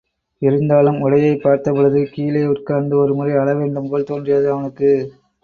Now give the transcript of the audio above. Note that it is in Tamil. இருந்தாலும், உடையைப் பார்த்த பொழுது, கீழே உட்கார்ந்து ஒரு முறை அழ வேண்டும் போல் தோன்றியது அவனுக்கு.